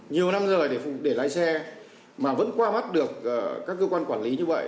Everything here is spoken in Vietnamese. nhiều năm rồi để lái xe mà vẫn qua mắt được các cơ quan quản lý như vậy